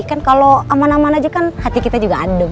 kan kalau aman aman aja kan hati kita juga adem